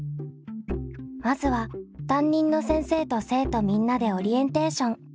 まずは担任の先生と生徒みんなでオリエンテーション。